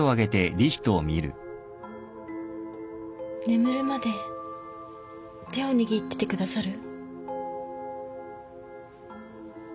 眠るまで手を握っててくださる？